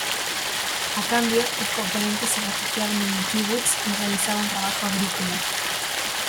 A cambio, los componentes se refugiaban en el kibutz y realizaban trabajo agrícola.